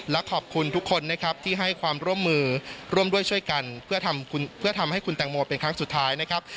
และขอบคุณทุกคนนะครับที่ให้ความร่วมมือร่วมด้วยช่วยกันเพื่อทำให้คุณแตงโมเป็นครั้งสุดท้ายนะครับ